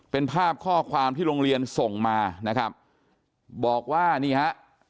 เป็นภาพข้อความที่โรงเรียนส่งมานะครับบอกว่านี่ฮะ